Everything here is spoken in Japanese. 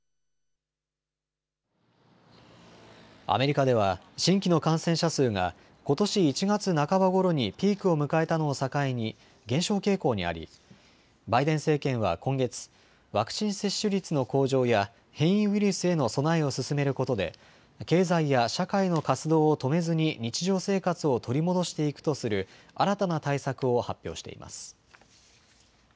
アメリカでは新規の感染者数がことし１月半ばごろにピークを迎えたのを境に減少傾向にありバイデン政権は今月、ワクチン接種率の向上や変異ウイルスへの備えを進めることで経済や社会の活動を止めずに日常生活を取り戻していくとする新たな対策を発表しています。